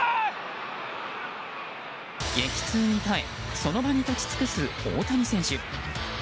激痛に耐えその場に立ち尽くす大谷選手。